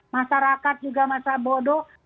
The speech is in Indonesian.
masyarakat juga masih bodoh